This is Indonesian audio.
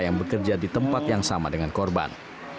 yang bekerja di tempat yang sama dengan korban